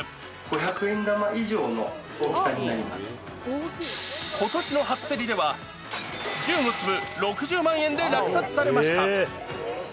五百円玉以上の大きさになりことしの初競りでは、１５粒６０万円で落札されました。